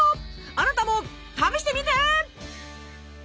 あなたも試してみて！